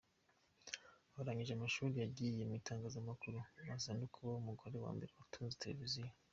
Arangije amashuri yagiye mu itangazamakuru aza no kuba umugore wa mbere watunze televiziyo.